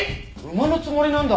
馬のつもりなんだ。